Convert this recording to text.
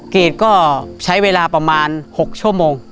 เกรดก็ใช้เวลาประมาณ๖ชั่วโมง